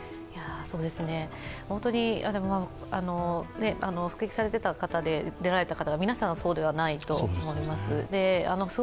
本当に服役されていた方で出られた方が皆さんがそうではないと思います。